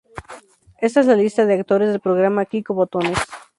Esta es la lista de actores del programa Kiko Botones.